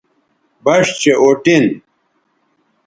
بَݜ چہء اُٹین